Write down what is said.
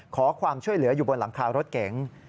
ขอความช่วยเหลืออยู่บนหลังคารถเก๋ง